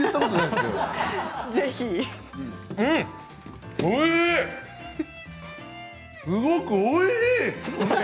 すごくおいしい！